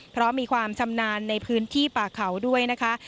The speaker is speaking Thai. เพราะมีความชำนาญในพื้นที่ป่าเขาด้วยนะคะ